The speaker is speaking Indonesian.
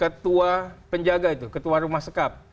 ketua penjaga itu ketua rumah sekap